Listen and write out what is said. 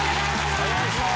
お願いします。